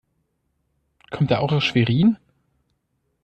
Kommt er auch aus Schwerin?